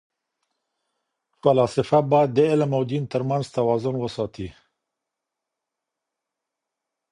فلاسفه باید د علم او دین ترمنځ توازن وساتي.